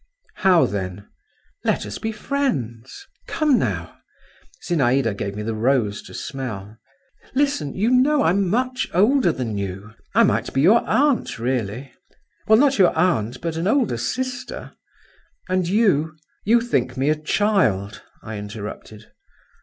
"How then?" "Let us be friends—come now!" Zinaïda gave me the rose to smell. "Listen, you know I'm much older than you—I might be your aunt, really; well, not your aunt, but an older sister. And you …" "You think me a child," I interrupted.